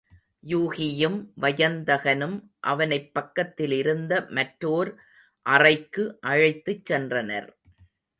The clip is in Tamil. யூகியும் வயந்தகனும் அவனைப் பக்கத்திலிருந்த மற்றோர் அறைக்கு அழைத்துச் சென்றனர்.